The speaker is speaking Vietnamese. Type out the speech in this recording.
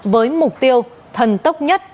với mục tiêu thần tốc nhất